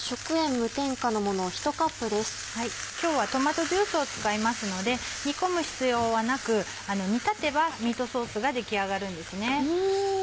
今日はトマトジュースを使いますので煮込む必要はなく煮立てばミートソースが出来上がるんですね。